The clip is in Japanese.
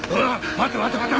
待て待て待て。